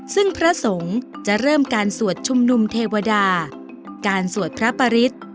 ซึ่งพระสงฆ์จะเริ่มการสวดชุมนุมเทวดาการสวดพระปริศ